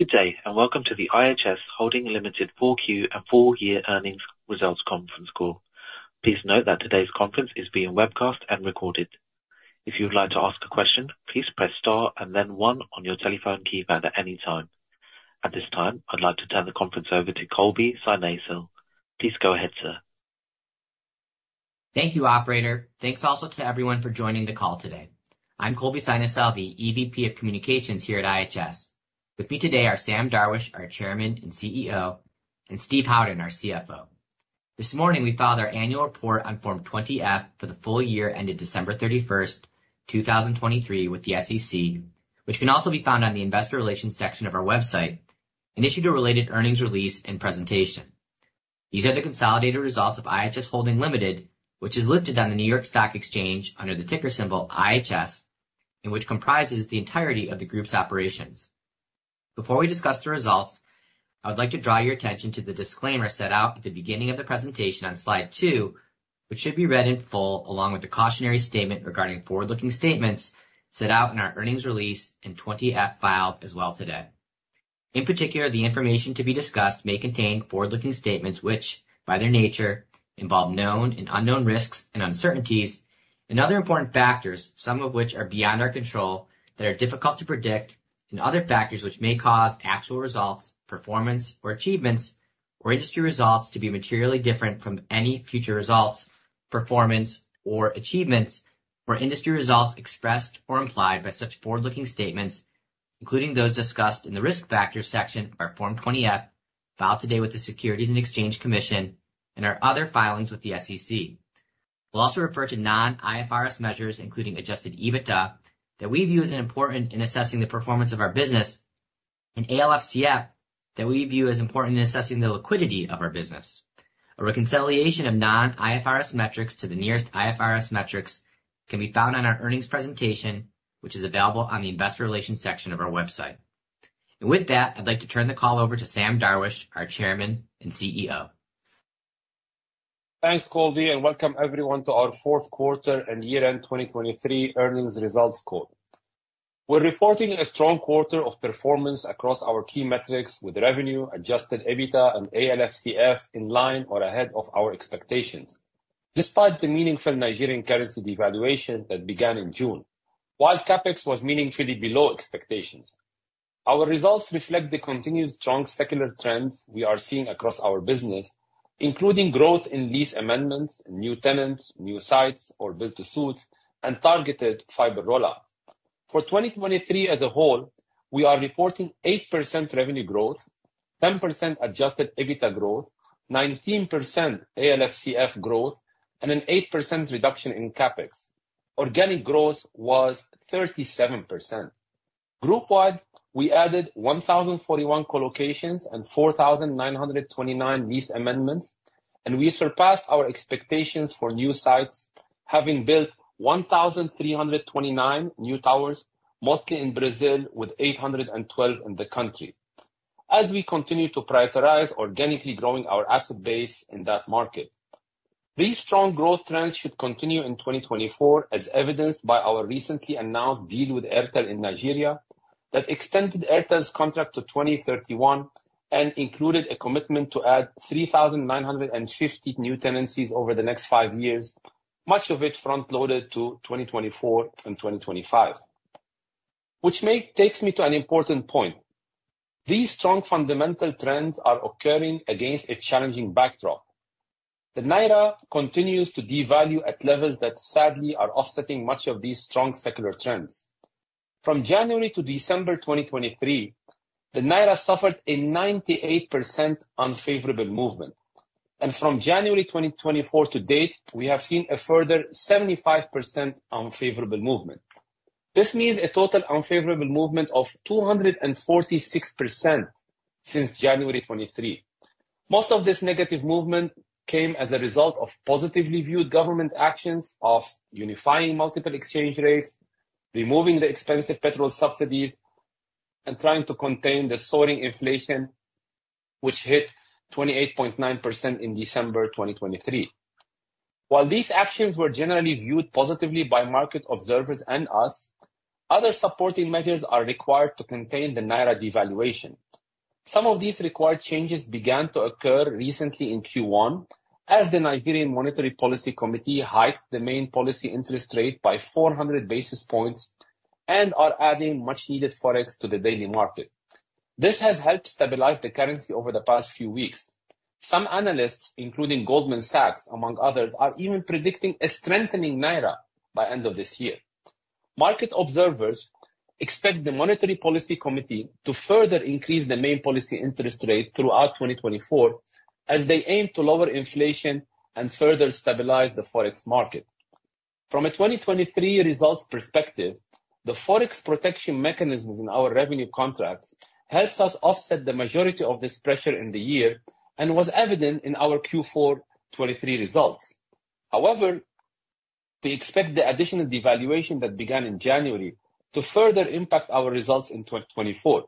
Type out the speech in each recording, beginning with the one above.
Good day and welcome to the IHS Holding Limited 4Q and full year earnings results conference call. Please note that today's conference is being webcast and recorded. If you would like to ask a question, please press star and then one on your telephone keypad at any time. At this time, I'd like to turn the conference over to Colby Synesael. Please go ahead, sir. Thank you, operator. Thanks also to everyone for joining the call today. I'm Colby Synesael, the EVP of Communications here at IHS. With me today are Sam Darwish, our Chairman and CEO, and Steve Howden, our CFO. This morning we filed our annual report on Form 20-F for the full year ended December 31, 2023 with the SEC, which can also be found on the Investor Relations section of our website, and issued a related earnings release and presentation. These are the consolidated results of IHS Holding Limited, which is listed on the New York Stock Exchange under the ticker symbol IHS, and which comprises the entirety of the group's operations. Before we discuss the results, I would like to draw your attention to the disclaimer set out at the beginning of the presentation on slide two, which should be read in full along with the cautionary statement regarding forward-looking statements set out in our earnings release and 20-F filed as well today. In particular, the information to be discussed may contain forward-looking statements which, by their nature, involve known and unknown risks and uncertainties, and other important factors, some of which are beyond our control, that are difficult to predict, and other factors which may cause actual results, performance, or achievements, or industry results to be materially different from any future results, performance, or achievements, or industry results expressed or implied by such forward-looking statements, including those discussed in the risk factors section of our Form 20-F filed today with the Securities and Exchange Commission and our other filings with the SEC. We'll also refer to non-IFRS measures, including adjusted EBITDA, that we view as important in assessing the performance of our business, and ALFCF, that we view as important in assessing the liquidity of our business. A reconciliation of non-IFRS metrics to the nearest IFRS metrics can be found on our earnings presentation, which is available on the Investor Relations section of our website. With that, I'd like to turn the call over to Sam Darwish, our Chairman and CEO. Thanks, Colby, and welcome everyone to our fourth quarter and year-end 2023 earnings results call. We're reporting a strong quarter of performance across our key metrics with revenue, Adjusted EBITDA, and ALFCF in line or ahead of our expectations, despite the meaningful Nigerian currency devaluation that began in June, while CapEx was meaningfully below expectations. Our results reflect the continued strong secular trends we are seeing across our business, including growth in lease amendments, new tenants, new sites, or build-to-suit, and targeted fiber rollout. For 2023 as a whole, we are reporting 8% revenue growth, 10% Adjusted EBITDA growth, 19% ALFCF growth, and an 8% reduction in CapEx. Organic growth was 37%. Group-wide, we added 1,041 colocations and 4,929 lease amendments, and we surpassed our expectations for new sites, having built 1,329 new towers, mostly in Brazil with 812 in the country, as we continue to prioritize organically growing our asset base in that market. These strong growth trends should continue in 2024, as evidenced by our recently announced deal with Airtel in Nigeria that extended Airtel's contract to 2031 and included a commitment to add 3,950 new tenancies over the next five years, much of it front-loaded to 2024 and 2025. Which takes me to an important point. These strong fundamental trends are occurring against a challenging backdrop. The Naira continues to devalue at levels that sadly are offsetting much of these strong secular trends. From January to December 2023, the Naira suffered a 98% unfavorable movement, and from January 2024 to date, we have seen a further 75% unfavorable movement. This means a total unfavorable movement of 246% since January 2023. Most of this negative movement came as a result of positively viewed government actions of unifying multiple exchange rates, removing the expensive petrol subsidies, and trying to contain the soaring inflation, which hit 28.9% in December 2023. While these actions were generally viewed positively by market observers and us, other supporting measures are required to contain the Naira devaluation. Some of these required changes began to occur recently in Q1, as the Nigerian Monetary Policy Committee hiked the main policy interest rate by 400 basis points and are adding much-needed Forex to the daily market. This has helped stabilize the currency over the past few weeks. Some analysts, including Goldman Sachs, among others, are even predicting a strengthening Naira by the end of this year. Market observers expect the Monetary Policy Committee to further increase the main policy interest rate throughout 2024, as they aim to lower inflation and further stabilize the Forex market. From a 2023 results perspective, the Forex protection mechanisms in our revenue contracts helped us offset the majority of this pressure in the year and was evident in our Q4/2023 results. However, they expect the additional devaluation that began in January to further impact our results in 2024,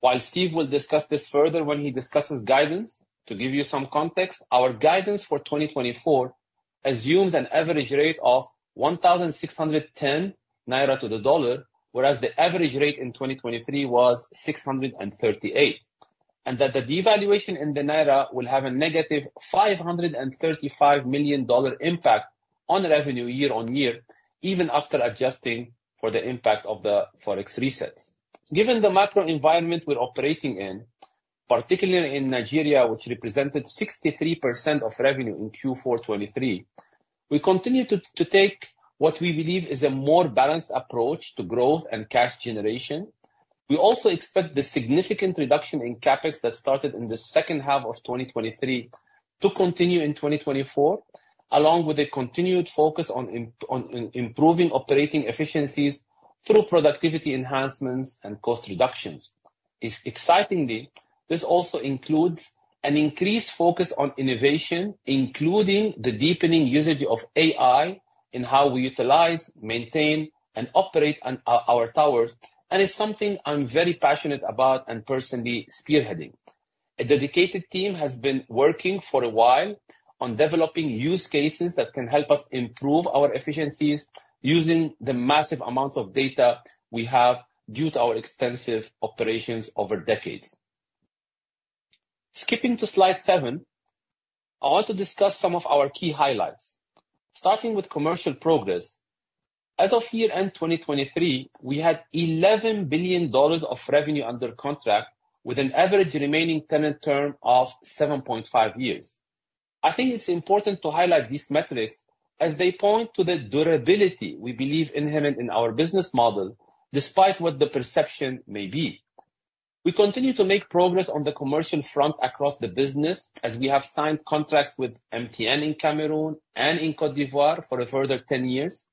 while Steve will discuss this further when he discusses guidance. To give you some context, our guidance for 2024 assumes an average rate of 1,610 Naira to the dollar, whereas the average rate in 2023 was 638, and that the devaluation in the Naira will have a negative $535 million impact on revenue year-on-year, even after adjusting for the impact of the Forex resets. Given the macro environment we're operating in, particularly in Nigeria, which represented 63% of revenue in Q4/2023, we continue to take what we believe is a more balanced approach to growth and cash generation. We also expect the significant reduction in CapEx that started in the second half of 2023 to continue in 2024, along with a continued focus on improving operating efficiencies through productivity enhancements and cost reductions. Excitingly, this also includes an increased focus on innovation, including the deepening usage of AI in how we utilize, maintain, and operate our towers, and is something I'm very passionate about and personally spearheading. A dedicated team has been working for a while on developing use cases that can help us improve our efficiencies using the massive amounts of data we have due to our extensive operations over decades. Skipping to slide seven, I want to discuss some of our key highlights. Starting with commercial progress, as of year-end 2023, we had $11 billion of revenue under contract with an average remaining tenant term of 7.5 years. I think it's important to highlight these metrics as they point to the durability we believe inherent in our business model, despite what the perception may be. We continue to make progress on the commercial front across the business as we have signed contracts with MTN in Cameroon and in Côte d'Ivoire for a further 10 years.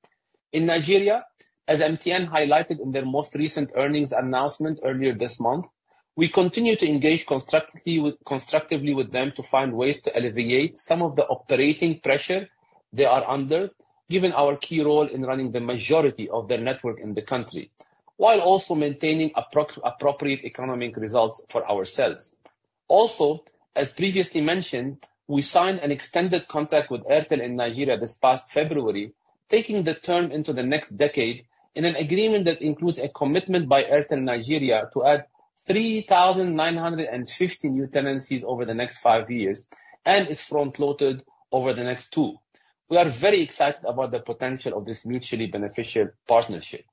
In Nigeria, as MTN highlighted in their most recent earnings announcement earlier this month, we continue to engage constructively with them to find ways to alleviate some of the operating pressure they are under, given our key role in running the majority of their network in the country, while also maintaining appropriate economic results for ourselves. Also, as previously mentioned, we signed an extended contract with Airtel in Nigeria this past February, taking the term into the next decade in an agreement that includes a commitment by Airtel Nigeria to add 3,950 new tenancies over the next five years and is front-loaded over the next two. We are very excited about the potential of this mutually beneficial partnership.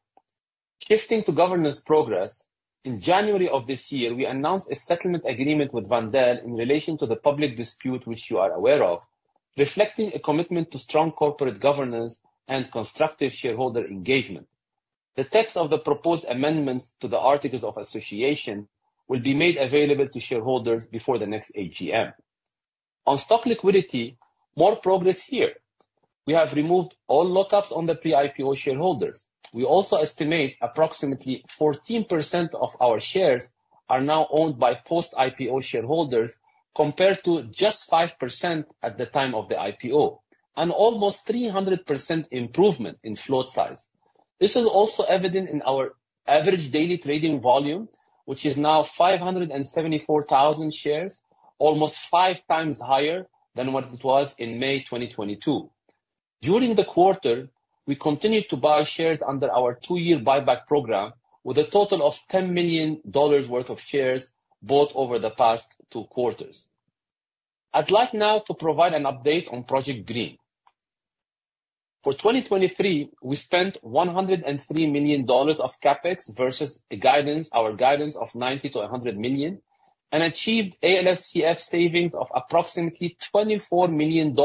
Shifting to governance progress, in January of this year, we announced a settlement agreement with Wendel in relation to the public dispute, which you are aware of, reflecting a commitment to strong corporate governance and constructive shareholder engagement. The text of the proposed amendments to the Articles of Association will be made available to shareholders before the next AGM. On stock liquidity, more progress here. We have removed all lockouts on the pre-IPO shareholders. We also estimate approximately 14% of our shares are now owned by post-IPO shareholders compared to just 5% at the time of the IPO, an almost 300% improvement in float size. This is also evident in our average daily trading volume, which is now 574,000 shares, almost five times higher than what it was in May 2022. During the quarter, we continued to buy shares under our two-year buyback program with a total of $10 million worth of shares bought over the past two quarters. I'd like now to provide an update on Project Green. For 2023, we spent $103 million of CapEx versus our guidance of $90 million-$100 million, and achieved ALFCF savings of approximately $24 million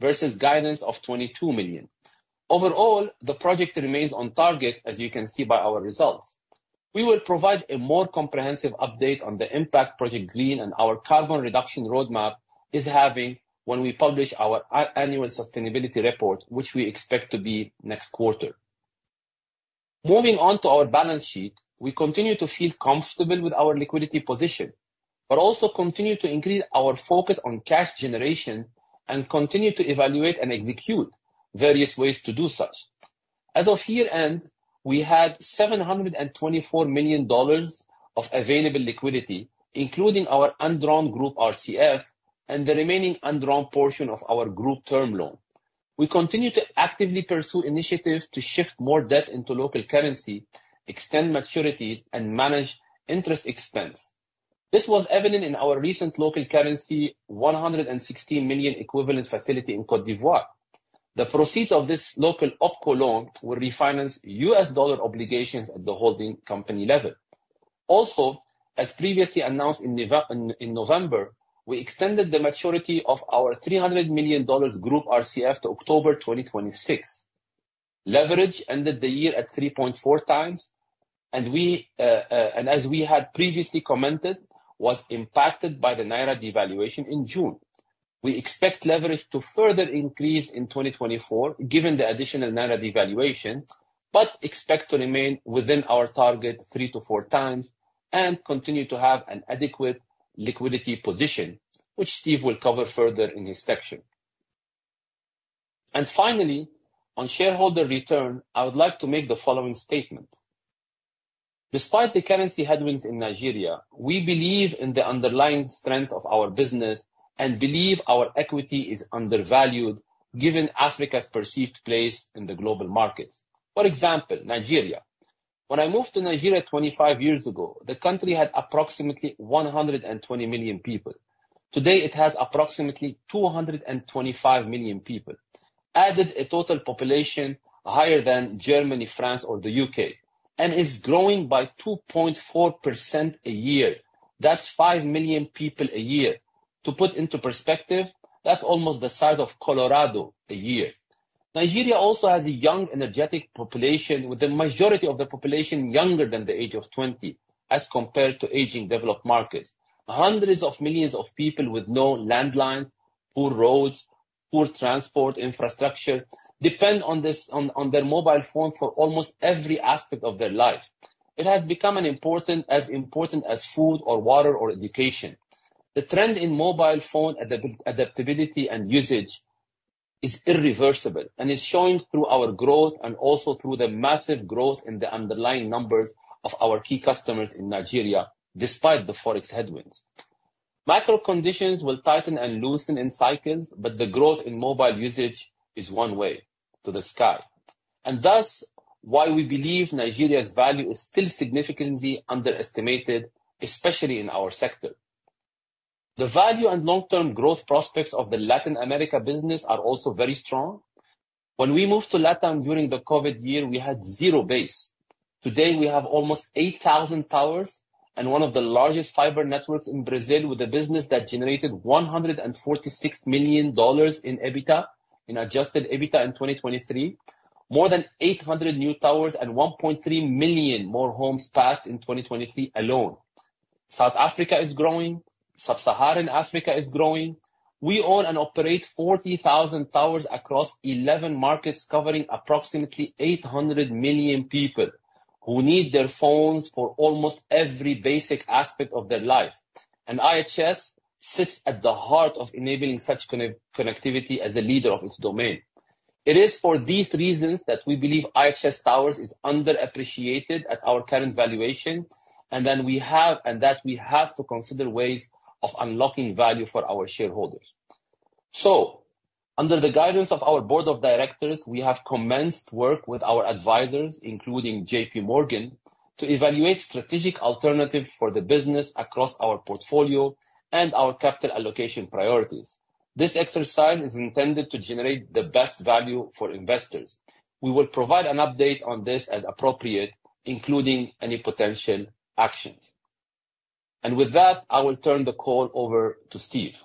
versus guidance of $22 million. Overall, the project remains on target, as you can see by our results. We will provide a more comprehensive update on the impact Project Green and our carbon reduction roadmap is having when we publish our annual sustainability report, which we expect to be next quarter. Moving on to our balance sheet, we continue to feel comfortable with our liquidity position, but also continue to increase our focus on cash generation and continue to evaluate and execute various ways to do such. As of year-end, we had $724 million of available liquidity, including our underwritten group RCF and the remaining underwritten portion of our group term loan. We continue to actively pursue initiatives to shift more debt into local currency, extend maturities, and manage interest expense. This was evident in our recent local currency $116 million equivalent facility in Côte d'Ivoire. The proceeds of this local OpCo loan will refinance US dollar obligations at the holding company level. Also, as previously announced in November, we extended the maturity of our $300 million group RCF to October 2026. Leverage ended the year at 3.4x, and as we had previously commented, was impacted by the Naira devaluation in June. We expect leverage to further increase in 2024 given the additional Naira devaluation, but expect to remain within our target 3x-4x and continue to have an adequate liquidity position, which Steve will cover further in his section. And finally, on shareholder return, I would like to make the following statement. Despite the currency headwinds in Nigeria, we believe in the underlying strength of our business and believe our equity is undervalued given Africa's perceived place in the global markets. For example, Nigeria. When I moved to Nigeria 25 years ago, the country had approximately 120 million people. Today, it has approximately 225 million people, added a total population higher than Germany, France, or the UK, and is growing by 2.4% a year. That's 5 million people a year. To put into perspective, that's almost the size of Colorado a year. Nigeria also has a young energetic population, with the majority of the population younger than the age of 20 as compared to aging developed markets. Hundreds of millions of people with no landlines, poor roads, poor transport infrastructure depend on their mobile phone for almost every aspect of their life. It has become as important as food or water or education. The trend in mobile phone adoption and usage is irreversible and is showing through our growth and also through the massive growth in the underlying numbers of our key customers in Nigeria despite the Forex headwinds. Macro conditions will tighten and loosen in cycles, but the growth in mobile usage is one way to the sky. And thus, why we believe Nigeria's value is still significantly underestimated, especially in our sector. The value and long-term growth prospects of the Latin America business are also very strong. When we moved to LATAM during the COVID year, we had zero base. Today, we have almost 8,000 towers and one of the largest fiber networks in Brazil with a business that generated $146 million in Adjusted EBITDA in 2023, more than 800 new towers, and 1.3 million more homes passed in 2023 alone. South Africa is growing. Sub-Saharan Africa is growing. We own and operate 40,000 towers across 11 markets covering approximately 800 million people who need their phones for almost every basic aspect of their life. And IHS sits at the heart of enabling such connectivity as a leader of its domain. It is for these reasons that we believe IHS Towers are underappreciated at our current valuation, and that we have to consider ways of unlocking value for our shareholders. Under the guidance of our board of directors, we have commenced work with our advisors, including JP Morgan, to evaluate strategic alternatives for the business across our portfolio and our capital allocation priorities. This exercise is intended to generate the best value for investors. We will provide an update on this as appropriate, including any potential actions. With that, I will turn the call over to Steve.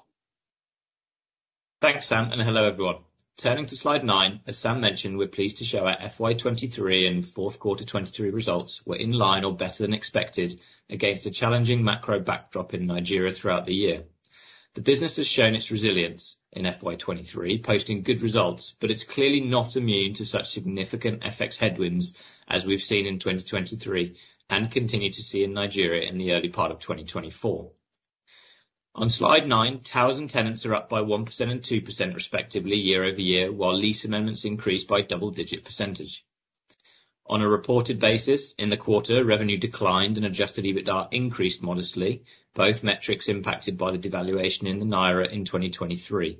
Thanks, Sam, and hello, everyone. Turning to slide nine, as Sam mentioned, we're pleased to show our FY 2023 and fourth quarter 2023 results were in line or better than expected against a challenging macro backdrop in Nigeria throughout the year. The business has shown its resilience in FY 2023, posting good results, but it's clearly not immune to such significant FX headwinds as we've seen in 2023 and continue to see in Nigeria in the early part of 2024. On slide nine, Towers and tenants are up by 1% and 2% respectively year-over-year, while lease amendments increased by double-digit percentage. On a reported basis, in the quarter, revenue declined and Adjusted EBITDA increased modestly, both metrics impacted by the devaluation in the Naira in 2023.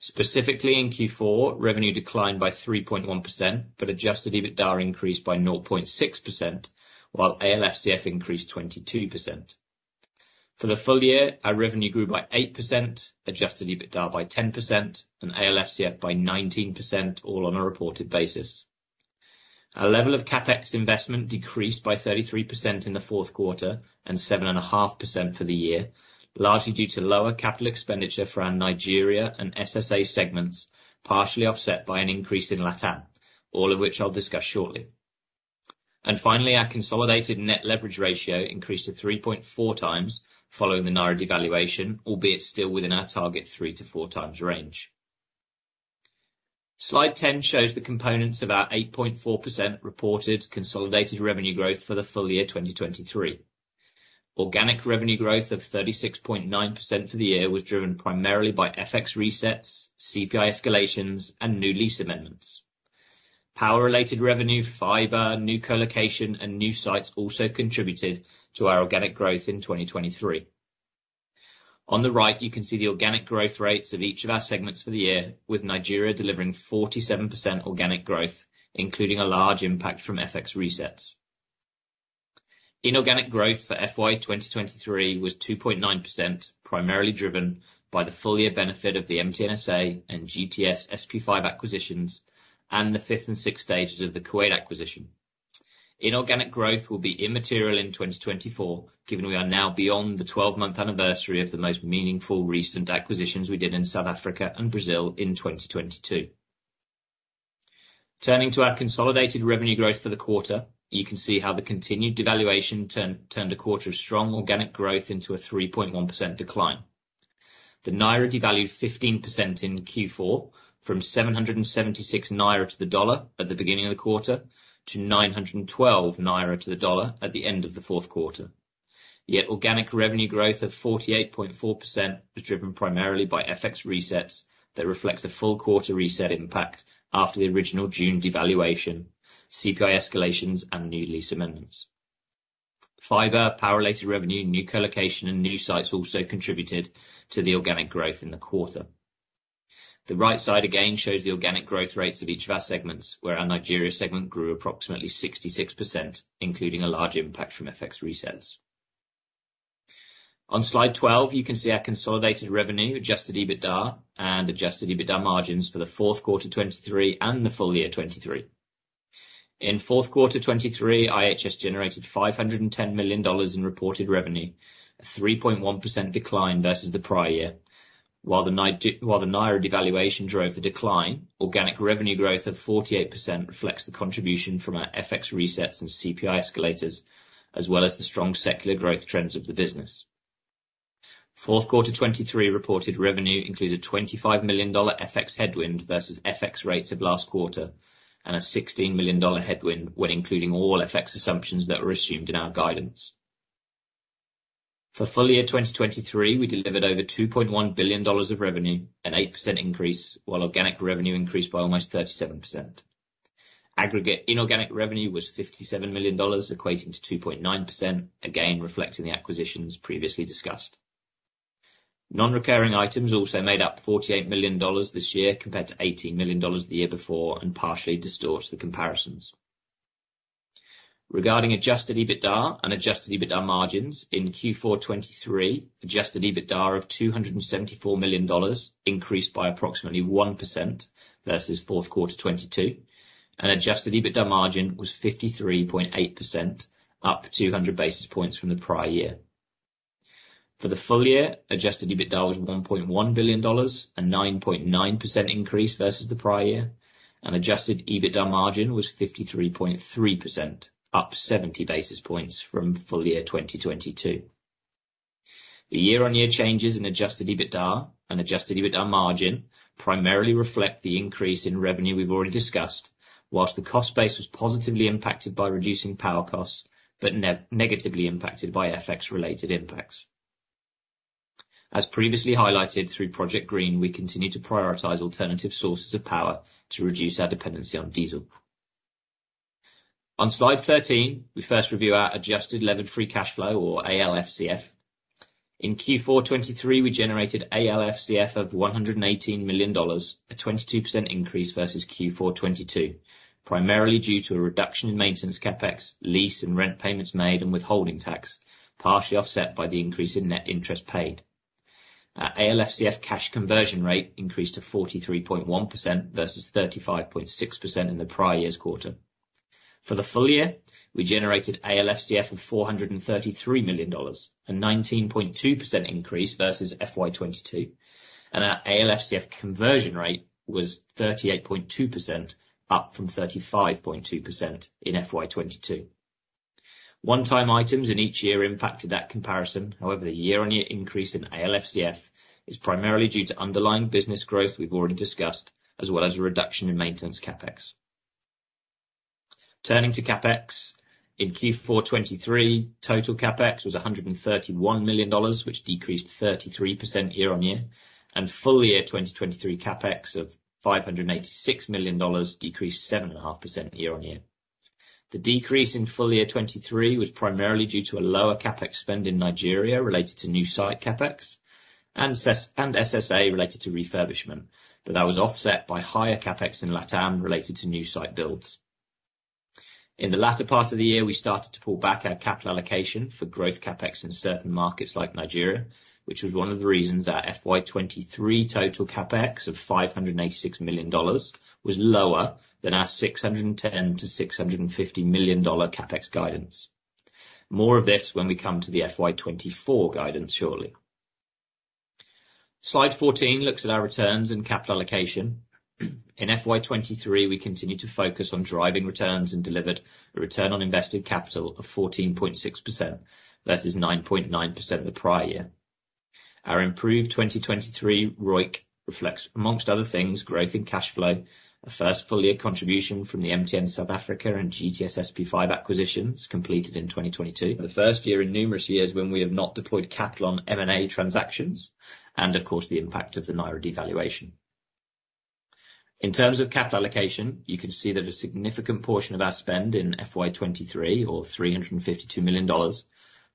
Specifically in Q4, revenue declined by 3.1%, but Adjusted EBITDA increased by 0.6%, while ALFCF increased 22%. For the full year, our revenue grew by 8%, adjusted EBITDA by 10%, and ALFCF by 19%, all on a reported basis. Our level of CapEx investment decreased by 33% in the fourth quarter and 7.5% for the year, largely due to lower capital expenditure for our Nigeria and SSA segments, partially offset by an increase in LATAM, all of which I'll discuss shortly. Finally, our consolidated net leverage ratio increased to 3.4x following the Naira devaluation, albeit still within our target 3x-4x range. Slide 10 shows the components of our 8.4% reported consolidated revenue growth for the full year 2023. Organic revenue growth of 36.9% for the year was driven primarily by FX resets, CPI escalations, and new lease amendments. Power-related revenue, fiber, new colocation, and new sites also contributed to our organic growth in 2023. On the right, you can see the organic growth rates of each of our segments for the year, with Nigeria delivering 47% organic growth, including a large impact from FX resets. Inorganic growth for FY 2023 was 2.9%, primarily driven by the full-year benefit of the MTN SA and GTS SP5 acquisitions and the fifth and sixth stages of the Kuwait acquisition. Inorganic growth will be immaterial in 2024, given we are now beyond the 12-month anniversary of the most meaningful recent acquisitions we did in South Africa and Brazil in 2022. Turning to our consolidated revenue growth for the quarter, you can see how the continued devaluation turned a quarter of strong organic growth into a 3.1% decline. The naira devalued 15% in Q4 from 776 naira to the dollar at the beginning of the quarter to 912 naira to the dollar at the end of the fourth quarter. Yet organic revenue growth of 48.4% was driven primarily by FX resets that reflect a full-quarter reset impact after the original June devaluation, CPI escalations, and new lease amendments. Fiber, power-related revenue, new collocation, and new sites also contributed to the organic growth in the quarter. The right side again shows the organic growth rates of each of our segments, where our Nigeria segment grew approximately 66%, including a large impact from FX resets. On slide 12, you can see our consolidated revenue, Adjusted EBITDA, and Adjusted EBITDA margins for the fourth quarter 2023 and the full year 2023. In fourth quarter 2023, IHS generated $510 million in reported revenue, a 3.1% decline versus the prior year. While the Naira devaluation drove the decline, organic revenue growth of 48% reflects the contribution from our FX resets and CPI escalators, as well as the strong secular growth trends of the business. Fourth quarter 2023 reported revenue includes a $25 million FX headwind versus FX rates of last quarter and a $16 million headwind when including all FX assumptions that were assumed in our guidance. For full year 2023, we delivered over $2.1 billion of revenue, an 8% increase, while organic revenue increased by almost 37%. Aggregate inorganic revenue was $57 million, equating to 2.9%, again reflecting the acquisitions previously discussed. Non-recurring items also made up $48 million this year compared to $18 million the year before and partially distort the comparisons. Regarding adjusted EBITDA and adjusted EBITDA margins, in Q4 2023, adjusted EBITDA of $274 million increased by approximately 1% versus fourth quarter 2022, and adjusted EBITDA margin was 53.8%, up 200 basis points from the prior year. For the full year, adjusted EBITDA was $1.1 billion, a 9.9% increase versus the prior year, and adjusted EBITDA margin was 53.3%, up 70 basis points from full year 2022. The year-on-year changes in adjusted EBITDA and adjusted EBITDA margin primarily reflect the increase in revenue we've already discussed, while the cost base was positively impacted by reducing power costs but negatively impacted by FX-related impacts. As previously highlighted through Project Green, we continue to prioritize alternative sources of power to reduce our dependency on diesel. On slide 13, we first review our adjusted levered free cash flow, or ALFCF. In Q4 2023, we generated ALFCF of $118 million, a 22% increase versus Q4 2022, primarily due to a reduction in maintenance capex, lease and rent payments made, and withholding tax, partially offset by the increase in net interest paid. Our ALFCF cash conversion rate increased to 43.1% versus 35.6% in the prior year's quarter. For the full year, we generated ALFCF of $433 million, a 19.2% increase versus FY 2022, and our ALFCF conversion rate was 38.2%, up from 35.2% in FY 2022. One-time items in each year impacted that comparison. However, the year-on-year increase in ALFCF is primarily due to underlying business growth we've already discussed, as well as a reduction in maintenance CapEx. Turning to CapEx, in Q4 2023, total CapEx was $131 million, which decreased 33% year-on-year, and full year 2023 CapEx of $586 million decreased 7.5% year-on-year. The decrease in full year 2023 was primarily due to a lower CapEx spend in Nigeria related to new site CapEx and SSA related to refurbishment, but that was offset by higher CapEx in LATAM related to new site builds. In the latter part of the year, we started to pull back our capital allocation for growth CapEx in certain markets like Nigeria, which was one of the reasons our FY 2023 total CapEx of $586 million was lower than our $610 million-$650 million CapEx guidance. More of this when we come to the FY 2024 guidance shortly. Slide 14 looks at our returns and capital allocation. In FY 2023, we continue to focus on driving returns and delivered a return on invested capital of 14.6% versus 9.9% the prior year. Our improved 2023 ROIC reflects, amongst other things, growth in cash flow, a first full-year contribution from the MTN South Africa and GTS SP5 acquisitions completed in 2022, the first year in numerous years when we have not deployed capital on M&A transactions, and of course, the impact of the Naira devaluation. In terms of capital allocation, you can see that a significant portion of our spend in FY 2023, or $352 million,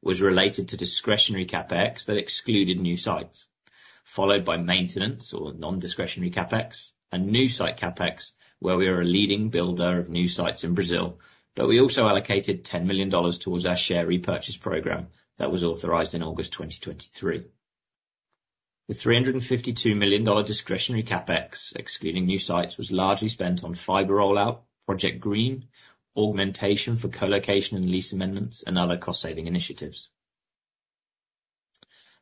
was related to discretionary CapEx that excluded new sites, followed by maintenance or non-discretionary CapEx and new site CapEx where we are a leading builder of new sites in Brazil, but we also allocated $10 million towards our share repurchase program that was authorised in August 2023. The $352 million discretionary CapEx excluding new sites was largely spent on fiber rollout, Project Green, augmentation for collocation and lease amendments, and other cost-saving initiatives.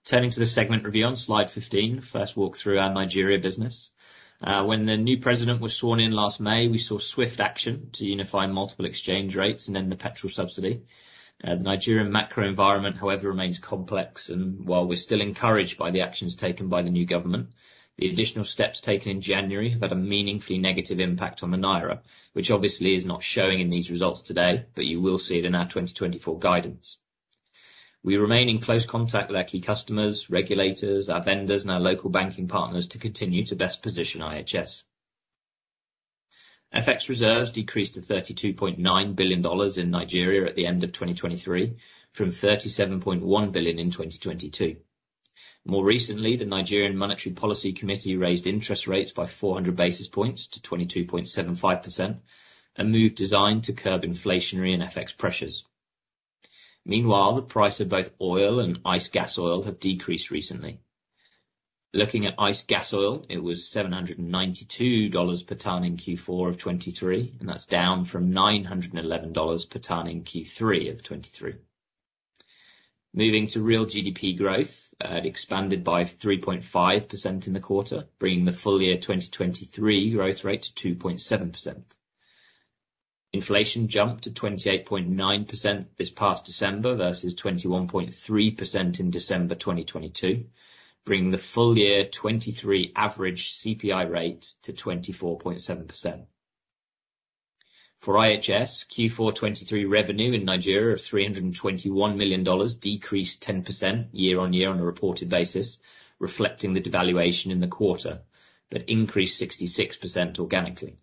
Turning to the segment review on slide 15, first walk through our Nigeria business. When the new president was sworn in last May, we saw swift action to unify multiple exchange rates and end the petrol subsidy. The Nigerian macro environment, however, remains complex, and while we're still encouraged by the actions taken by the new government, the additional steps taken in January have had a meaningfully negative impact on the Naira, which obviously is not showing in these results today, but you will see it in our 2024 guidance. We remain in close contact with our key customers, regulators, our vendors, and our local banking partners to continue to best position IHS. FX reserves decreased to $32.9 billion in Nigeria at the end of 2023 from $37.1 billion in 2022. More recently, the Nigerian Monetary Policy Committee raised interest rates by 400 basis points to 22.75%, a move designed to curb inflationary and FX pressures. Meanwhile, the price of both oil and ICE Gasoil have decreased recently. Looking at ICE Gasoil, it was $792 per tonne in Q4 of 2023, and that's down from $911 per tonne in Q3 of 2023. Moving to real GDP growth, it expanded by 3.5% in the quarter, bringing the full year 2023 growth rate to 2.7%. Inflation jumped to 28.9% this past December versus 21.3% in December 2022, bringing the full year 2023 average CPI rate to 24.7%. For IHS, Q4 2023 revenue in Nigeria of $321 million decreased 10% year-on-year on a reported basis, reflecting the devaluation in the quarter, but increased 66% organically.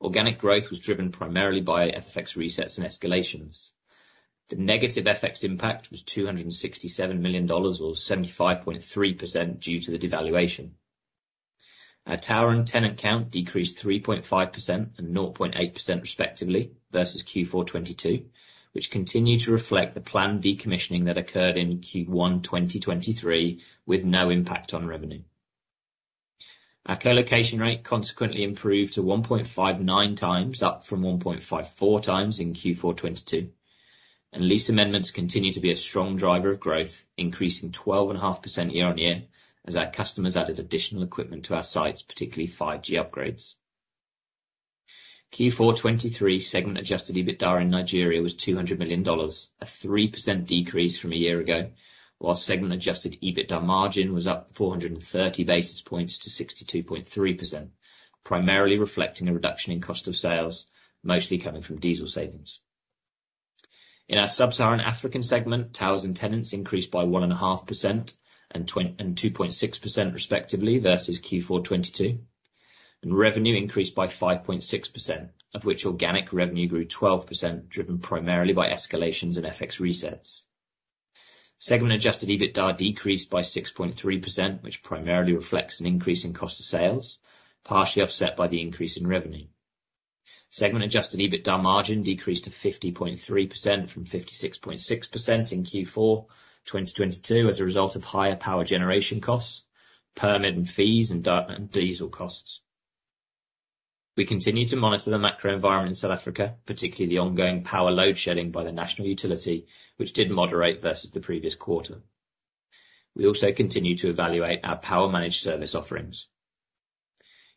Organic growth was driven primarily by FX resets and escalations. The negative FX impact was $267 million, or 75.3%, due to the devaluation. Our tower and tenant count decreased 3.5% and 0.8% respectively versus Q4 2022, which continue to reflect the planned decommissioning that occurred in Q1 2023 with no impact on revenue. Our collocation rate consequently improved to 1.59x, up from 1.54x in Q4 2022, and lease amendments continue to be a strong driver of growth, increasing 12.5% year-over-year as our customers added additional equipment to our sites, particularly 5G upgrades. Q4 2023 segment adjusted EBITDA in Nigeria was $200 million, a 3% decrease from a year ago, while segment adjusted EBITDA margin was up 430 basis points to 62.3%, primarily reflecting a reduction in cost of sales, mostly coming from diesel savings. In our Sub-Saharan African segment, towers and tenants increased by 1.5% and 2.6% respectively versus Q4 2022, and revenue increased by 5.6%, of which organic revenue grew 12%, driven primarily by escalations and FX resets. Segment adjusted EBITDA decreased by 6.3%, which primarily reflects an increase in cost of sales, partially offset by the increase in revenue. Segment adjusted EBITDA margin decreased to 50.3% from 56.6% in Q4 2022 as a result of higher power generation costs, permit and fees, and diesel costs. We continue to monitor the macro environment in South Africa, particularly the ongoing power load shedding by the national utility, which did moderate versus the previous quarter. We also continue to evaluate our power-managed service offerings.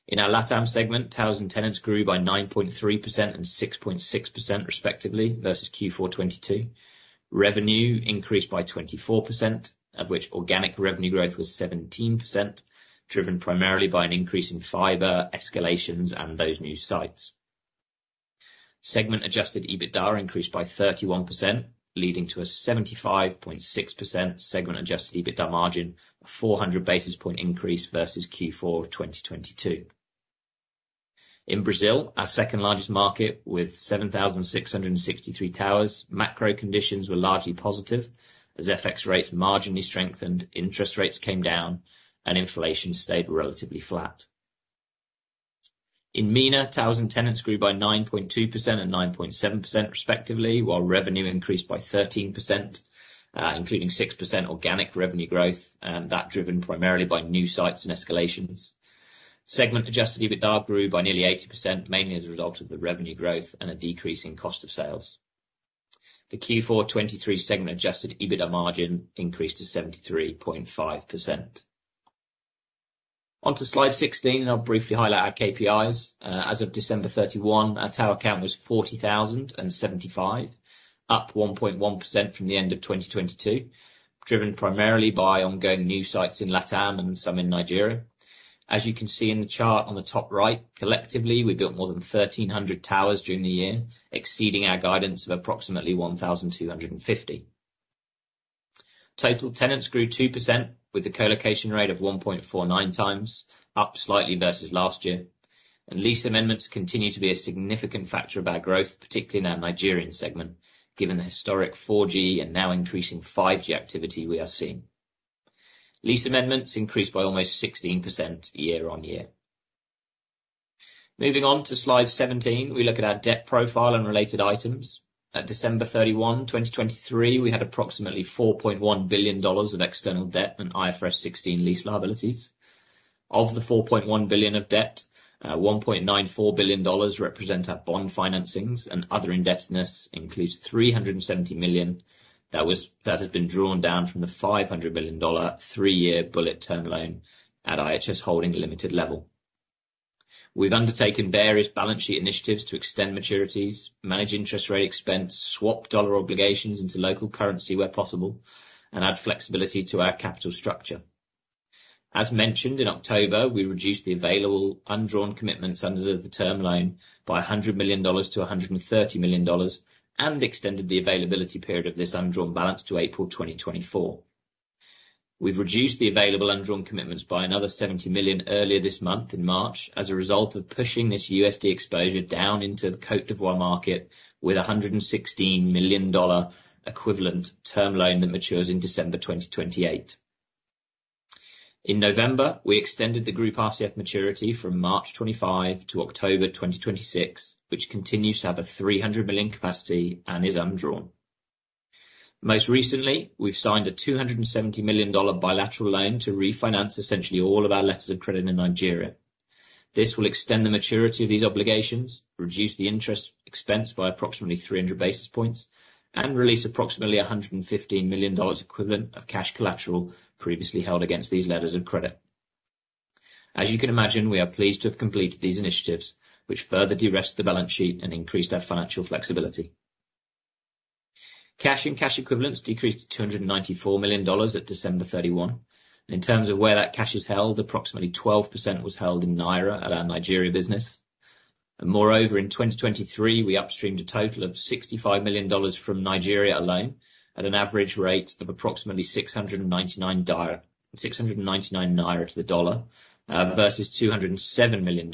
In our LATAM segment, towers and tenants grew by 9.3% and 6.6% respectively versus Q4 2022, revenue increased by 24%, of which organic revenue growth was 17%, driven primarily by an increase in fiber escalations and those new sites. Segment adjusted EBITDA increased by 31%, leading to a 75.6% segment adjusted EBITDA margin, a 400 basis point increase versus Q4 2022. In Brazil, our second largest market with 7,663 towers, macro conditions were largely positive as FX rates marginally strengthened, interest rates came down, and inflation stayed relatively flat. In Brazil, towers and tenants grew by 9.2% and 9.7% respectively, while revenue increased by 13%, including 6% organic revenue growth, that driven primarily by new sites and escalations. Segment Adjusted EBITDA grew by nearly 80%, mainly as a result of the revenue growth and a decrease in cost of sales. The Q4 2023 segment Adjusted EBITDA margin increased to 73.5%. Onto slide 16, and I'll briefly highlight our KPIs. As of December 31, our tower count was 40,075, up 1.1% from the end of 2022, driven primarily by ongoing new sites in LATAM and some in Nigeria. As you can see in the chart on the top right, collectively we built more than 1,300 towers during the year, exceeding our guidance of approximately 1,250. Total tenants grew 2% with the collocation rate of 1.49x, up slightly versus last year, and lease amendments continue to be a significant factor of our growth, particularly in our Nigerian segment, given the historic 4G and now increasing 5G activity we are seeing. Lease amendments increased by almost 16% year-over-year. Moving on to slide 17, we look at our debt profile and related items. At December 31, 2023, we had approximately $4.1 billion of external debt and IFRS 16 lease liabilities. Of the $4.1 billion of debt, $1.94 billion represent our bond financings, and other indebtedness includes $370 million that has been drawn down from the $500 million three-year bullet term loan at IHS Holding Limited level. We've undertaken various balance sheet initiatives to extend maturities, manage interest rate expense, swap dollar obligations into local currency where possible, and add flexibility to our capital structure. As mentioned in October, we reduced the available undrawn commitments under the term loan by $100 million to $130 million and extended the availability period of this undrawn balance to April 2024. We've reduced the available undrawn commitments by another $70 million earlier this month in March as a result of pushing this USD exposure down into the Côte d'Ivoire market with a $116 million equivalent term loan that matures in December 2028. In November, we extended the group RCF maturity from March 25 to October 2026, which continues to have a $300 million capacity and is undrawn. Most recently, we've signed a $270 million bilateral loan to refinance essentially all of our letters of credit in Nigeria. This will extend the maturity of these obligations, reduce the interest expense by approximately 300 basis points, and release approximately $115 million equivalent of cash collateral previously held against these letters of credit. As you can imagine, we are pleased to have completed these initiatives, which further de-risk the balance sheet and increased our financial flexibility. Cash and cash equivalents decreased to $294 million at December 31, 2023, and in terms of where that cash is held, approximately 12% was held in Naira at our Nigeria business. Moreover, in 2023, we upstreamed a total of $65 million from Nigeria alone at an average rate of approximately 699 Naira to the dollar versus $207 million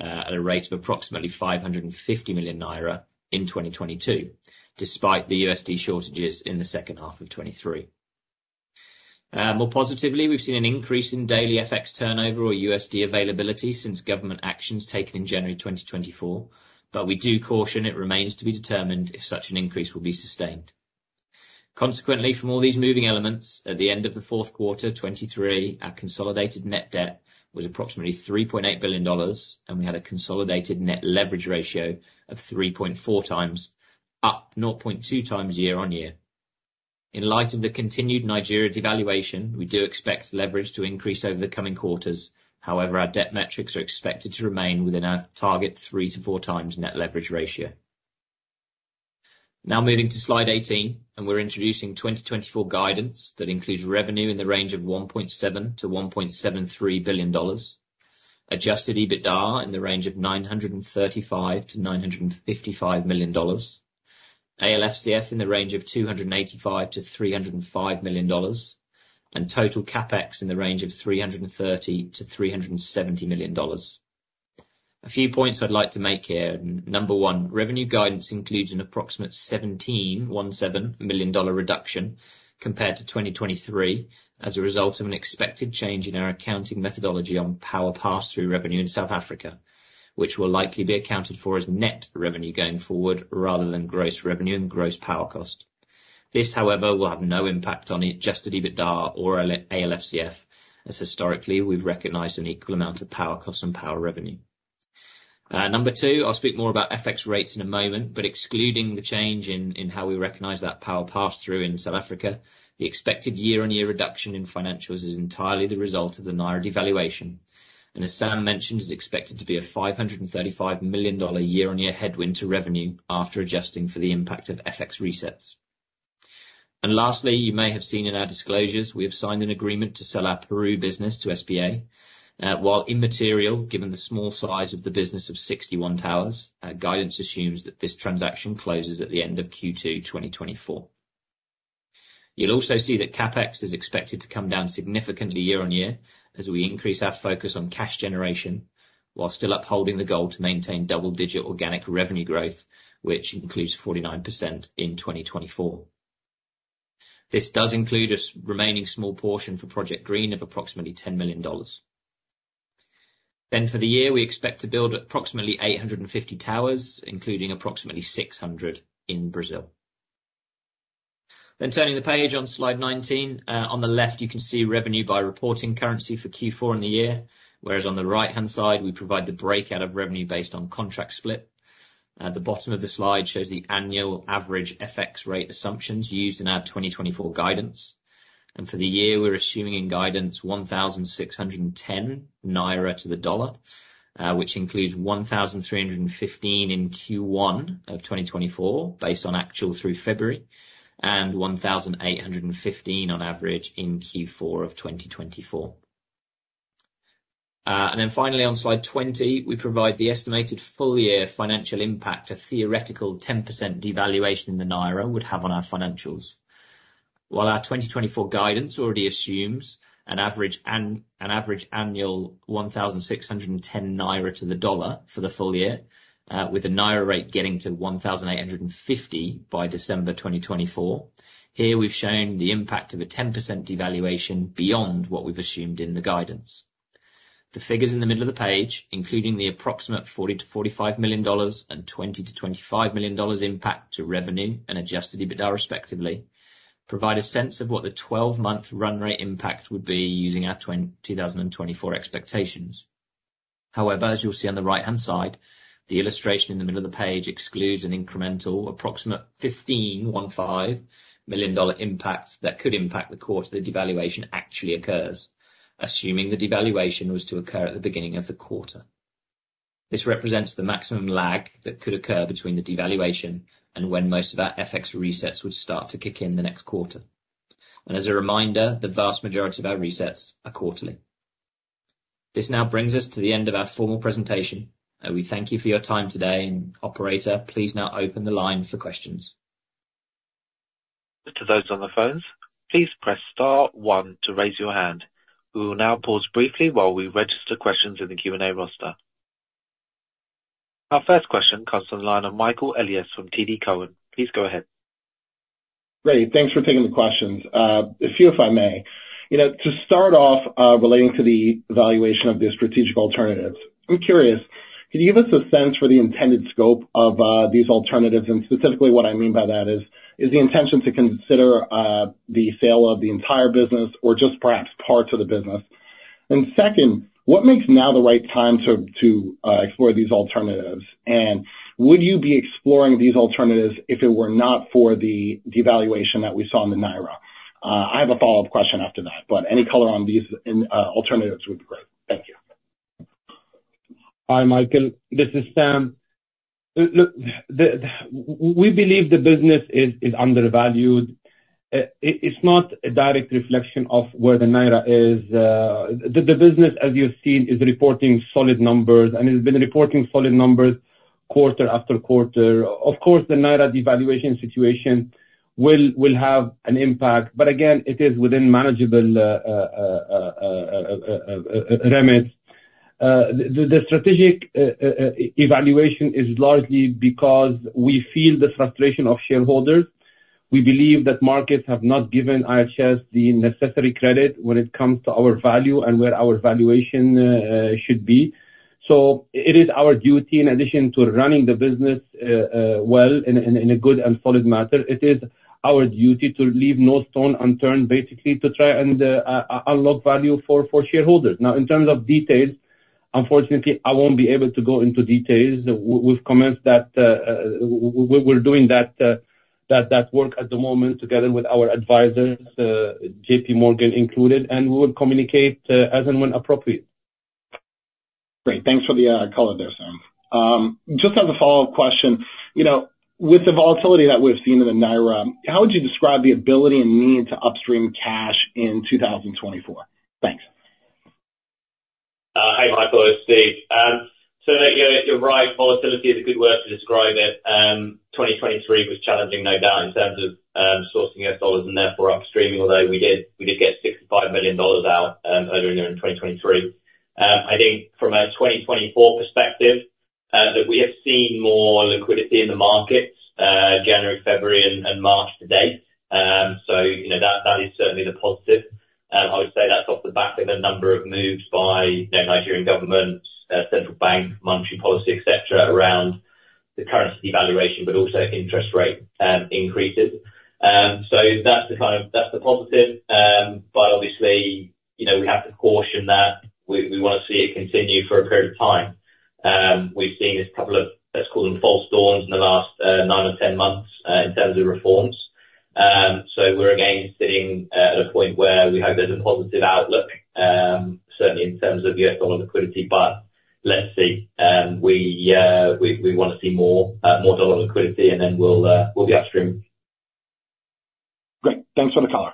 at a rate of approximately 550 Naira in 2022, despite the USD shortages in the second half of 2023. More positively, we've seen an increase in daily FX turnover, or USD availability, since government actions taken in January 2024, but we do caution it remains to be determined if such an increase will be sustained. Consequently, from all these moving elements, at the end of the fourth quarter 2023, our consolidated net debt was approximately $3.8 billion, and we had a consolidated net leverage ratio of 3.4x, up 0.2x year-over-year. In light of the continued Nigeria devaluation, we do expect leverage to increase over the coming quarters, however, our debt metrics are expected to remain within our target 3x-4x times net leverage ratio. Now moving to slide 18, and we're introducing 2024 guidance that includes revenue in the range of $1.7-$1.73 billion, adjusted EBITDA in the range of $935-$955 million, ALFCF in the range of $285-$305 million, and total CapEx in the range of $330 million to $370 million. A few points I'd like to make here. Number one, revenue guidance includes an approximate $17.17 million reduction compared to 2023 as a result of an expected change in our accounting methodology on power pass-through revenue in South Africa, which will likely be accounted for as net revenue going forward rather than gross revenue and gross power cost. This, however, will have no impact on adjusted EBITDA or ALFCF, as historically we've recognized an equal amount of power costs and power revenue. Number two, I'll speak more about FX rates in a moment, but excluding the change in how we recognize that power pass-through in South Africa, the expected year-on-year reduction in financials is entirely the result of the Naira devaluation, and as Sam mentioned, it's expected to be a $535 million year-on-year headwind to revenue after adjusting for the impact of FX resets. And lastly, you may have seen in our disclosures, we have signed an agreement to sell our Peru business to SBA. While immaterial, given the small size of the business of 61 towers, guidance assumes that this transaction closes at the end of Q2 2024. You'll also see that CapEx is expected to come down significantly year-on-year as we increase our focus on cash generation while still upholding the goal to maintain double-digit organic revenue growth, which includes 49% in 2024. This does include a remaining small portion for Project Green of approximately $10 million. For the year, we expect to build approximately 850 towers, including approximately 600 in Brazil. Turning the page on slide 19, on the left you can see revenue by reporting currency for Q4 in the year, whereas on the right-hand side we provide the breakout of revenue based on contract split. The bottom of the slide shows the annual average FX rate assumptions used in our 2024 guidance, and for the year we're assuming in guidance 1,610 Naira to the dollar, which includes 1,315 in Q1 of 2024 based on actual through February and 1,815 on average in Q4 of 2024. Finally on slide 20, we provide the estimated full-year financial impact a theoretical 10% devaluation in the Naira would have on our financials. While our 2024 guidance already assumes an average annual 1,610 naira to the US dollar for the full year, with the NGN rate getting to 1,850 by December 2024, here we've shown the impact of a 10% devaluation beyond what we've assumed in the guidance. The figures in the middle of the page, including the approximate $40 million to $45 million and $20 million to $25 million impact to revenue and Adjusted EBITDA respectively, provide a sense of what the 12-month run rate impact would be using our 2024 expectations. However, as you'll see on the right-hand side, the illustration in the middle of the page excludes an incremental approximate $15.15 million impact that could impact the quarter the devaluation actually occurs, assuming the devaluation was to occur at the beginning of the quarter. This represents the maximum lag that could occur between the devaluation and when most of our FX resets would start to kick in the next quarter. As a reminder, the vast majority of our resets are quarterly. This now brings us to the end of our formal presentation. We thank you for your time today, and operator, please now open the line for questions. To those on the phones, please press star one to raise your hand. We will now pause briefly while we register questions in the Q&A roster. Our first question comes from the line of Michael Elias from TD Cowen. Please go ahead. Great. Thanks for taking the questions. A few, if I may. To start off relating to the evaluation of the strategic alternatives, I'm curious, can you give us a sense for the intended scope of these alternatives? And specifically, what I mean by that is, is the intention to consider the sale of the entire business or just perhaps parts of the business? And second, what makes now the right time to explore these alternatives? And would you be exploring these alternatives if it were not for the devaluation that we saw in the Naira? I have a follow -up question after that, but any color on these alternatives would be great. Thank you. Hi, Michael. This is Sam. Look, we believe the business is undervalued. It's not a direct reflection of where the Naira is. The business, as you've seen, is reporting solid numbers, and it's been reporting solid numbers quarter after quarter. Of course, the Naira devaluation situation will have an impact, but again, it is within manageable remits. The strategic evaluation is largely because we feel the frustration of shareholders. We believe that markets have not given IHS the necessary credit when it comes to our value and where our valuation should be. So it is our duty, in addition to running the business well in a good and solid manner, it is our duty to leave no stone unturned, basically, to try and unlock value for shareholders. Now, in terms of details, unfortunately, I won't be able to go into details. We've commenced that we're doing that work at the moment together with our advisors, JP Morgan included, and we will communicate as and when appropriate. Great. Thanks for the color there, Sam. Just as a follow-up question, with the volatility that we've seen in the Naira, how would you describe the ability and need to upstream cash in 2024? Thanks. Hi, Michael. It's Steve. So you're right. Volatility is a good word to describe it. 2023 was challenging, no doubt, in terms of sourcing US dollars and therefore upstreaming, although we did get $65 million out earlier in 2023. I think from a 2024 perspective, that we have seen more liquidity in the markets January, February, and March to date. So that is certainly the positive. I would say that's off the back of a number of moves by Nigerian government, central bank, monetary policy, etc., around the currency devaluation, but also interest rate increases. So that's the kind of that's the positive. But obviously, we have to caution that we want to see it continue for a period of time. We've seen this couple of, let's call them, false storms in the last nine or 10 months in terms of reforms. So we're again sitting at a point where we hope there's a positive outlook, certainly in terms of U.S. dollar liquidity, but let's see. We want to see more dollar liquidity, and then we'll be upstream. Great. Thanks for the color.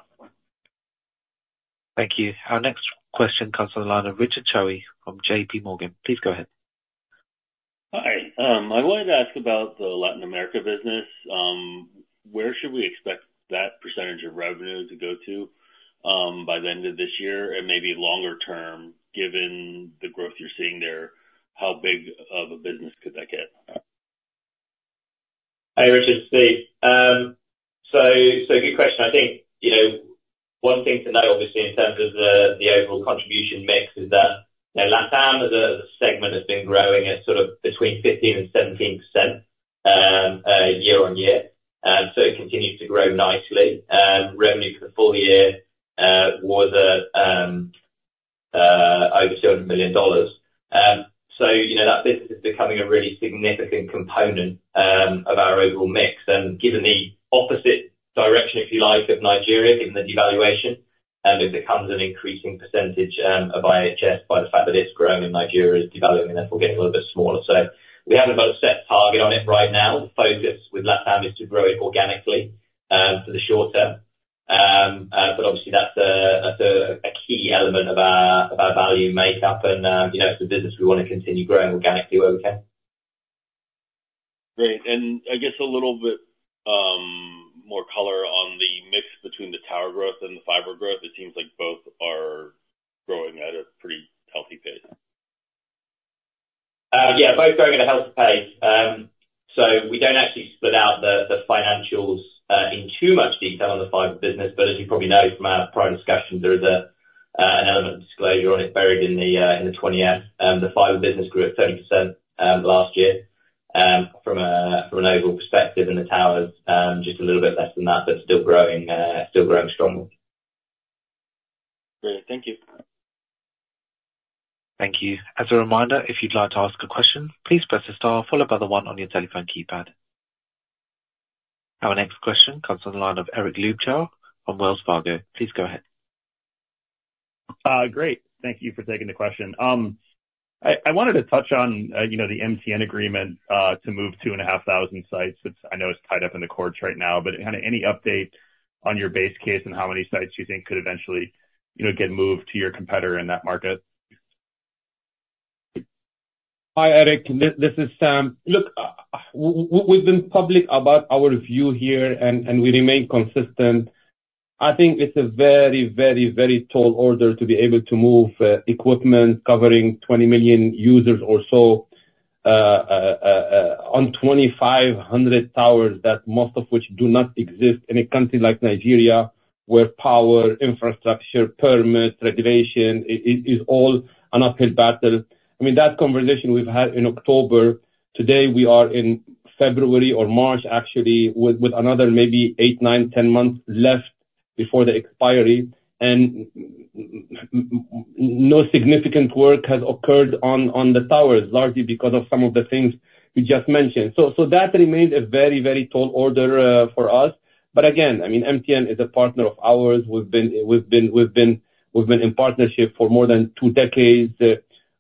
Thank you. Our next question comes from the line of Richard Choe from JP Morgan. Please go ahead. Hi. I wanted to ask about the Latin America business. Where should we expect that percentage of revenue to go to by the end of this year and maybe longer-term, given the growth you're seeing there? How big of a business could that get? Hi, Richard. Steve. So good question. I think one thing to note, obviously, in terms of the overall contribution mix is that LATAM as a segment has been growing at sort of between 15%-17% year-over-year. So it continues to grow nicely. Revenue for the full year was over $200 million. So that business is becoming a really significant component of our overall mix. And given the opposite direction, if you like, of Nigeria, given the devaluation, it becomes an increasing percentage of IHS by the fact that it's growing and Nigeria is devaluing and therefore getting a little bit smaller. So we haven't got a set target on it right now. The focus with LATAM is to grow it organically for the short term. But obviously, that's a key element of our value makeup, and it's a business we want to continue growing organically where we can. Great. And I guess a little bit more color on the mix between the tower growth and the fiber growth. It seems like both are growing at a pretty healthy pace. Yeah, both growing at a healthy pace. So we don't actually split out the financials in too much detail on the fiber business. But as you probably know from our prior discussions, there is an element of disclosure on it buried in the 20-F. The fiber business grew at 30% last year from an overall perspective, and the towers just a little bit less than that, but still growing strongly. Great. Thank you. Thank you. As a reminder, if you'd like to ask a question, please press the star, followed by the one on your telephone keypad. Our next question comes from the line of Eric Luebchow from Wells Fargo. Please go ahead. Great. Thank you for taking the question. I wanted to touch on the MTN agreement to move 2,500 sites. I know it's tied up in the courts right now, but kind of any update on your base case and how many sites you think could eventually get moved to your competitor in that market? Hi, Eric. This is Sam. Look, we've been public about our view here, and we remain consistent. I think it's a very, very, very tall order to be able to move equipment covering 20 million users or so on 2,500 towers, most of which do not exist in a country like Nigeria where power, infrastructure, permits, regulation is all an uphill battle. I mean, that conversation we've had in October. Today, we are in February or March, actually, with another maybe eight, nine, 10 months left before the expiry. And no significant work has occurred on the towers, largely because of some of the things you just mentioned. So that remains a very, very tall order for us. But again, I mean, MTN is a partner of ours. We've been in partnership for more than two decades.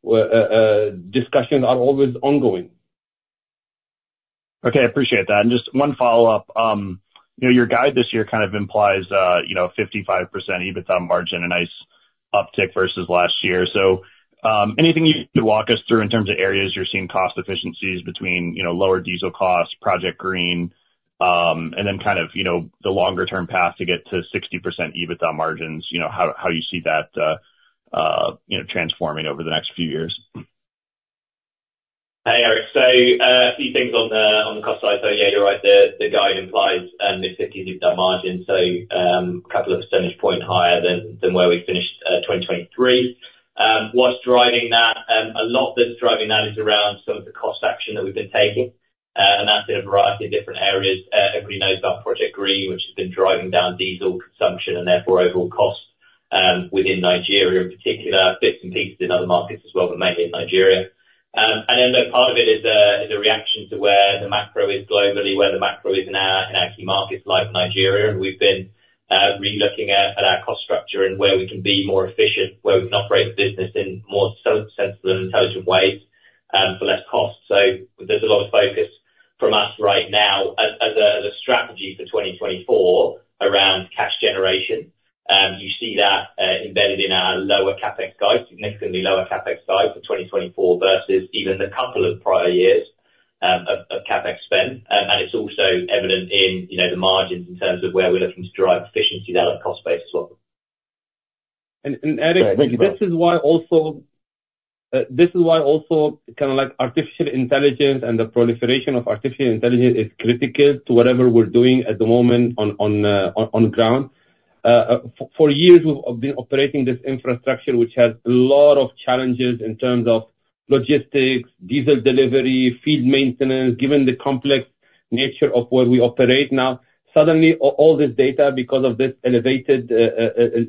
Discussions are always ongoing. Okay. I appreciate that. And just one follow-up. Your guide this year kind of implies a 55% EBITDA margin, a nice uptick versus last year. So anything you could walk us through in terms of areas you're seeing cost efficiencies between lower diesel costs, Project Green, and then kind of the longer-term path to get to 60% EBITDA margins, how you see that transforming over the next few years? Hi, Eric. So a few things on the cost side. So yeah, you're right. The guide implies a 50% EBITDA margin, so a couple of percentage points higher than where we finished 2023. What's driving that? A lot that's driving that is around some of the cost action that we've been taking, and that's in a variety of different areas. Everybody knows about Project Green, which has been driving down diesel consumption and therefore overall costs within Nigeria in particular, bits and pieces in other markets as well, but mainly in Nigeria. And then part of it is a reaction to where the macro is globally, where the macro is in our key markets like Nigeria. And we've been relooking at our cost structure and where we can be more efficient, where we can operate the business in more sensible and intelligent ways for less cost. So there's a lot of focus from us right now as a strategy for 2024 around cash generation. You see that embedded in our lower CapEx guide, significantly lower CapEx guide for 2024 versus even the couple of prior years of CapEx spend. It's also evident in the margins in terms of where we're looking to drive efficiencies out of the cost base as well. Eric, this is why also this is why also kind of artificial intelligence and the proliferation of artificial intelligence is critical to whatever we're doing at the moment on ground. For years, we've been operating this infrastructure, which has a lot of challenges in terms of logistics, diesel delivery, field maintenance. Given the complex nature of where we operate now, suddenly all this data, because of this elevated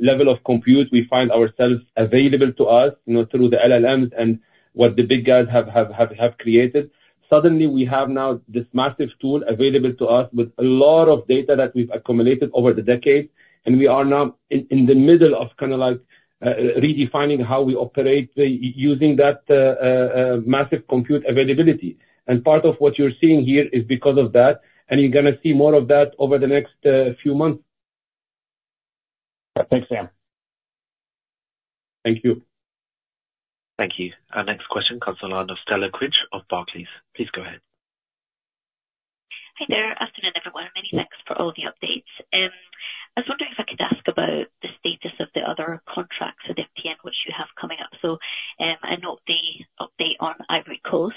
level of compute, we find ourselves available to us through the LLMs and what the big guys have created. Suddenly, we have now this massive tool available to us with a lot of data that we've accumulated over the decades. And we are now in the middle of kind of redefining how we operate using that massive compute availability. And part of what you're seeing here is because of that, and you're going to see more of that over the next few months. Thanks, Sam. Thank you. Thank you. Our next question comes from the line of Stella Cridge of Barclays. Please go ahead. Hi there, afternoon, everyone. Many thanks for all the updates. I was wondering if I could ask about the status of the other contracts with MTN, which you have coming up. So an update on Côte d'Ivoire.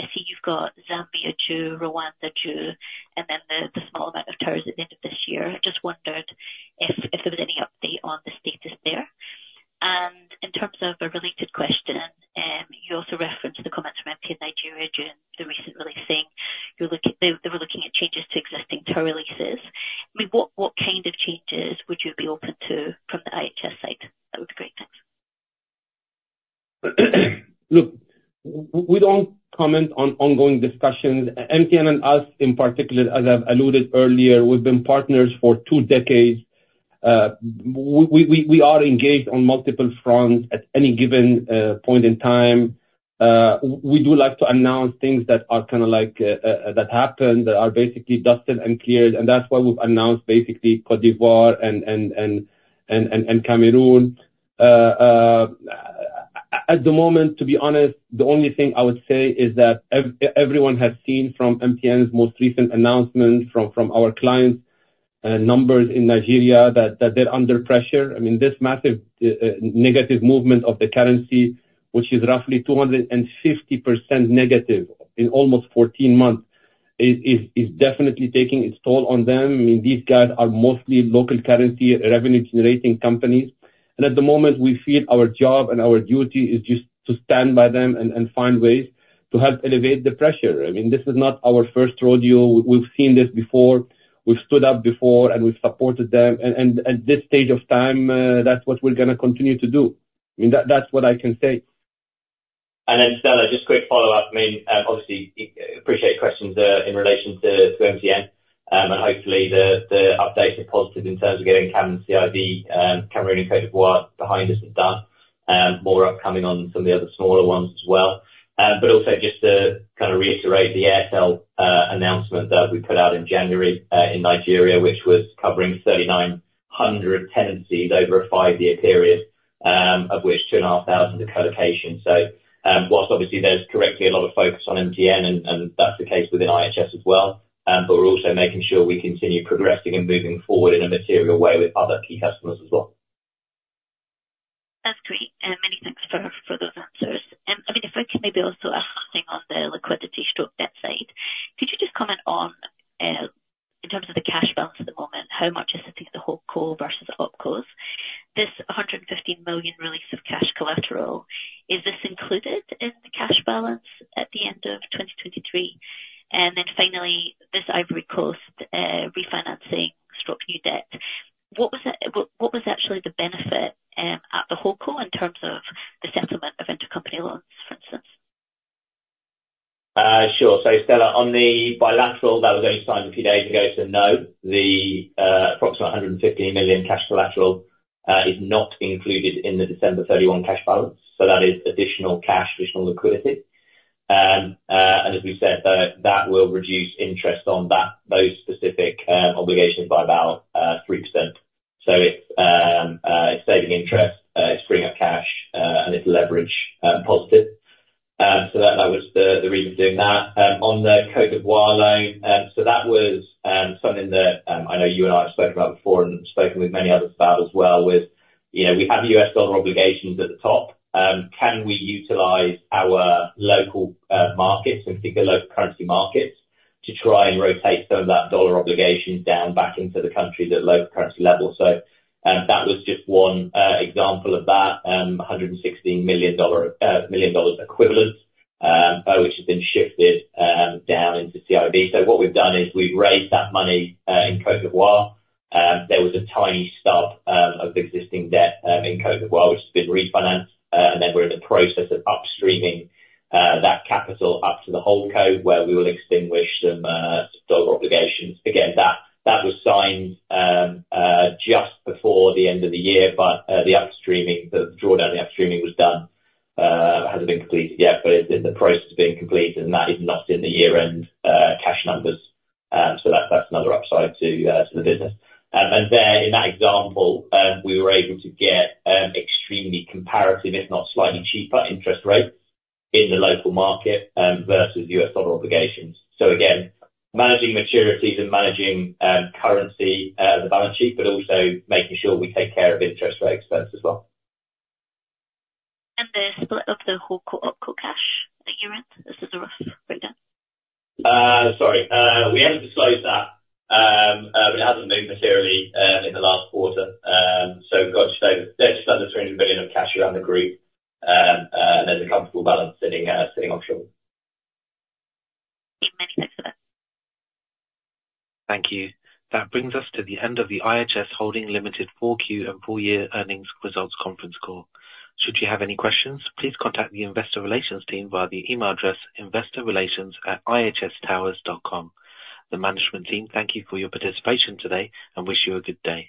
I see you've got Zambia too, Rwanda too, and then the small amount of towers at the end of this year. I just wondered if there was any update on the status there. In terms of a related question, you also referenced the comments from MTN Nigeria during the recent release saying they were looking at changes to existing tower leases. I mean, what kind of changes would you be open to from the IHS side? That would be great. Thanks. Look, we don't comment on ongoing discussions. MTN and us in particular, as I've alluded earlier, we've been partners for two decades. We are engaged on multiple fronts at any given point in time. We do like to announce things that are kind of like that happen that are basically dusted and cleared. That's why we've announced basically Côte d'Ivoire and Cameroon. At the moment, to be honest, the only thing I would say is that everyone has seen from MTN's most recent announcement from our clients numbers in Nigeria that they're under pressure. I mean, this massive negative movement of the currency, which is roughly 250% negative in almost 14 months, is definitely taking its toll on them. I mean, these guys are mostly local currency revenue-generating companies. And at the moment, we feel our job and our duty is just to stand by them and find ways to help elevate the pressure. I mean, this is not our first rodeo. We've seen this before. We've stood up before, and we've supported them. And at this stage of time, that's what we're going to continue to do. I mean, that's what I can say. And then Stella, just quick follow-up. I mean, obviously, appreciate questions in relation to MTN. Hopefully, the updates are positive in terms of getting Cameroon and Côte d'Ivoire behind us and done. More upcoming on some of the other smaller ones as well. Also just to kind of reiterate the Airtel announcement that we put out in January in Nigeria, which was covering 3,900 tenancies over a five-year period, of which 2,500 are collocation. Whilst obviously, there's correctly a lot of focus on MTN, and that's the case within IHS as well, but we're also making sure we continue progressing and moving forward in a material way with other key customers as well. That's great. Many thanks for those answers. I mean, if I could maybe also ask something on the liquidity/debt side, could you just comment on, in terms of the cash balance at the moment, how much is sitting at the Holdco versus opcos? This $115 million release of cash collateral, is this included in the cash balance at the end of 2023? And then finally, this Ivory Coast refinancing or new debt, what was actually the benefit at the Holdco in terms of the settlement of intercompany loans, for instance? Sure. Stella, on the bilateral that was only signed a few days ago, no, the approximate $115 million cash collateral is not included in the December 31 cash balance. That is additional cash, additional liquidity. And as we said, that will reduce interest on those specific obligations by about 3%. It's saving interest, it's bringing up cash, and it's leverage positive. That was the reason for doing that. On the Côte d'Ivoire loan, that was something that I know you and I have spoken about before and spoken with many others about as well, we have US dollar obligations at the top. Can we utilize our local markets, in particular local currency markets, to try and rotate some of that dollar obligation down back into the country at local currency level? That was just one example of that, $116 million equivalent, which has been shifted down into Côte d'Ivoire. What we've done is we've raised that money in Côte d'Ivoire. There was a tiny stub of existing debt in Côte d'Ivoire, which has been refinanced. Then we're in the process of upstreaming that capital up to the holdco where we will extinguish some dollar obligations. Again, that was signed just before the end of the year, but the upstreaming the drawdown of the upstreaming was done. It hasn't been completed yet, but it's in the process of being completed, and that is not in the year-end cash numbers. So that's another upside to the business. And then in that example, we were able to get extremely competitive, if not slightly cheaper, interest rates in the local market versus U.S. dollar obligations. So again, managing maturities and managing currency as a balance sheet, but also making sure we take care of interest rate expense as well. And the split of the whole upfront cash that you meant, this is a rough breakdown? Sorry. We haven't disclosed that, but it hasn't moved materially in the last quarter. So we've got just over. They've split the $300 million of cash around the group, and there's a comfortable balance sitting offshore. Many thanks for that. Thank you. That brings us to the end of the IHS Holding Limited 4Q and full year earnings results conference call. Should you have any questions, please contact the investor relations team via the email address investorrelations@ihstowers.com. The management team, thank you for your participation today, and wish you a good day.